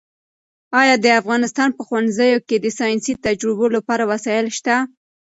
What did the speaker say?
ایا د افغانستان په ښوونځیو کې د ساینسي تجربو لپاره وسایل شته؟